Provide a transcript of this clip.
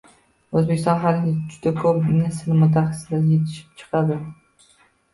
O‘zbekistonda har yili juda ko‘plab ingliz tili mutaxassislari yetishib chiqadi.